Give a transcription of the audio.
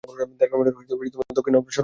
দেড় কিলোমিটার দক্ষিণে অগ্রসর হও।